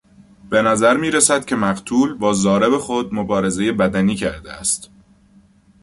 بنظر میرسد که مقتول با ضارب خود مبارزهی بدنی کرده است.